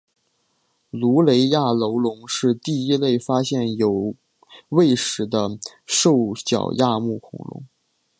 卢雷亚楼龙是第一类发现有胃石的兽脚亚目恐龙。